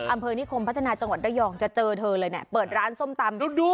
อำเภอนิคมพัฒนาจังหวัดระยองจะเจอเธอเลยเนี่ยเปิดร้านส้มตำ